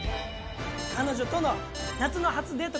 彼女との夏の初デート